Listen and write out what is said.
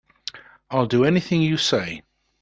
I'll do anything you say.